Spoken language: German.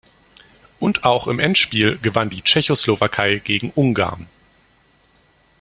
Und auch im Endspiel gewann die Tschechoslowakei gegen Ungarn.